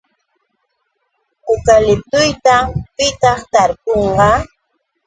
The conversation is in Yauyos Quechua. ¿Ukaliptuta pitaq tarpunqa?